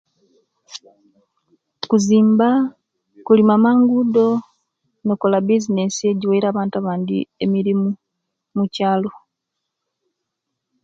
Kuzimba, okulima mangudo no'kola bisinesi nijo ejiwere abantu abandi emirimu mukyalo